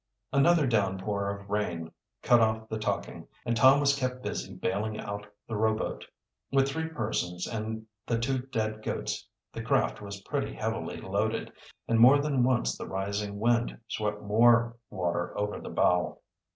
Another downpour of rain cut off the talking, and Tom was kept busy bailing out the row boat. With three persons and the two dead goats the craft was pretty heavily loaded, and more than once the rising wind swept some water over the bow.